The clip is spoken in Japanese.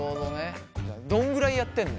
どんぐらいやってんの？